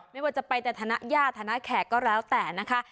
ไม่ว่าจะไปแต่ธนญาติธนแขกก็แล้วแต่นะคะ